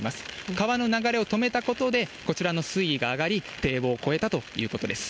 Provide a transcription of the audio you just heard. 川の流れを止めたことで、こちらの水位が上がり、堤防を越えたということです。